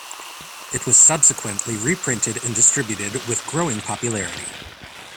It was subsequently reprinted and distributed with growing popularity.